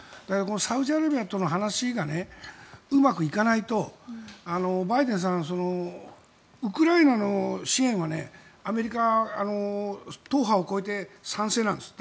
サウジアラビアとの話がうまくいかないとバイデンさんはウクライナの支援はアメリカの党派を超えて賛成なんですよ。